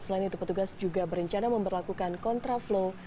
selain itu petugas juga berencana memperlakukan kontraflow